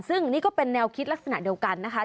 ซึ่งนี่ก็เป็นแนวคิดลักษณะเดียวกันนะคะ